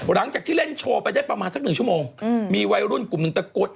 หลังจากที่เล่นโชว์ไปได้ประมาณสักหนึ่งชั่วโมงมีวัยรุ่นกลุ่มหนึ่งตะกด